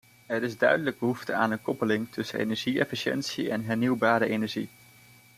Er is duidelijk behoefte aan een koppeling tussen energie-efficiëntie en hernieuwbare energie.